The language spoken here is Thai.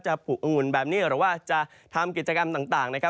ผูกองุ่นแบบนี้หรือว่าจะทำกิจกรรมต่างนะครับ